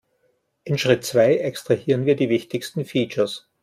In Schritt zwei extrahieren wir die wichtigsten Features.